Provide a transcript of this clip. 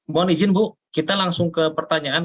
mohon izin bu kita langsung ke pertanyaan